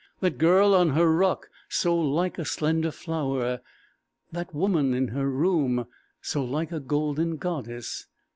_ That girl on her rock, so like a slender flower! That woman in her room, so like a golden goddess!